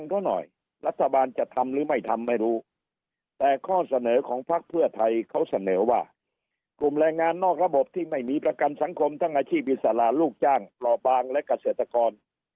กลุ่มแรงงานนอกระบบที่ไม่มีประกันสังคมทั้งอาชีพอิสระลูกจ้างประบางและเกษตรกร